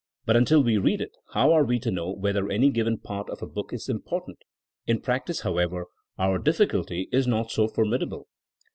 But until we read it how are we to know whether any given part of a book is important! In practice, however, our difficulty is not so formidable.